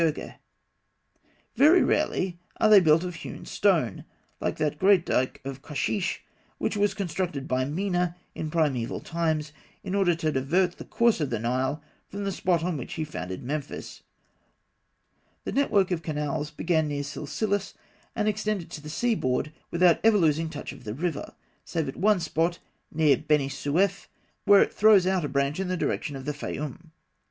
Very rarely are they built of hewn stone, like that great dike of Kosheish which was constructed by Mena in primaeval times, in order to divert the course of the Nile from the spot on which he founded Memphis. The network of canals began near Silsilis and extended to the sea board, without ever losing touch of the river, save at one spot near Beni Sûef, where it throws out a branch in the direction of the Fayûm.